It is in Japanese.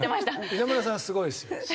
稲村さんはすごいですよ。